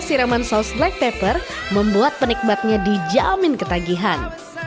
siraman saus black pepper membuat penikmatnya dijamin ketagihan